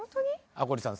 赤堀さん